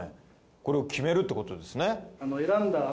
これを決めるってことですね。